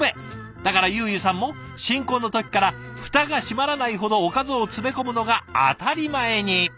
だからゆうゆさんも新婚の時から蓋が閉まらないほどおかずを詰め込むのが当たり前に。